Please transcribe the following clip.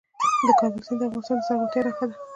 د کابل سیند د افغانستان د زرغونتیا نښه ده.